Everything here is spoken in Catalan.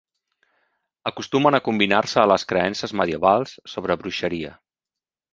Acostumen a combinar-se a les creences medievals sobre bruixeria.